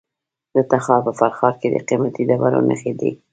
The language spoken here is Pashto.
د تخار په فرخار کې د قیمتي ډبرو نښې دي.